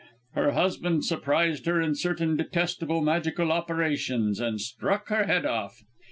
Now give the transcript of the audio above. Her husband surprised her in certain detestable magical operations and struck her head off.